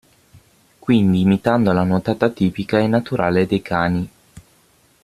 Quindi imitando la nuotata tipica e naturale dei cani.